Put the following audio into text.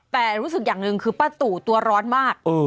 แต่รู้สึกอย่างหนึ่งคือป้าตู่ตัวร้อนมาก